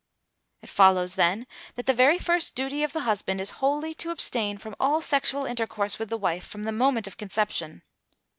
It follows, then, that the very first duty of the husband is wholly to abstain from all sexual intercourse with the wife from the moment of conception.